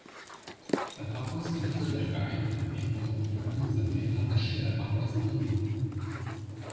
La paroisse de Mittelbergheim est pendant de longues années rattachée à la paroisse d'Andlau.